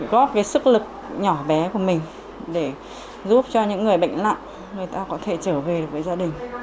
góp cái sức lực nhỏ bé của mình để giúp cho những người bệnh nặng người ta có thể trở về được với gia đình